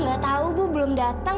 nggak tahu bu belum datang